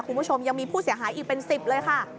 คุณผู้ชมยังมีผู้เสียหายอีกเป็น๑๐เลยค่ะ